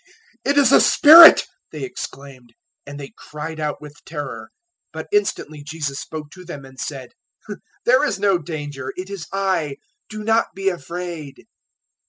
"It is a spirit," they exclaimed, and they cried out with terror. 014:027 But instantly Jesus spoke to them, and said, "There is no danger; it is I; do not be afraid."